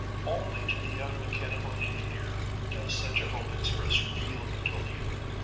Only to the young mechanical engineer does such a hope express real Utopia.